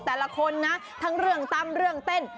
แต่ละคนนะทั้งเรื่องตำเรื่องเต้น